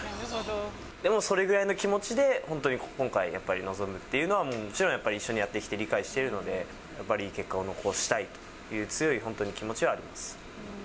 でも、それぐらいの気持ちで本当に今回、やっぱり臨むっていうのは、もちろんやっぱ一緒にやってきて理解してるので、やっぱり、いい結果を残したいという強い、本当に気持ちはあります。